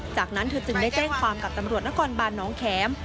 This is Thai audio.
จากนั้นเธอจึงได้แจ้งความกับตำรวจนครบานน้องแข็ม